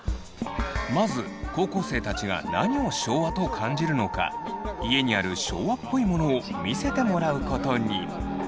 まず高校生たちが何を昭和と感じるのか家にある“昭和っぽいもの”を見せてもらうことに。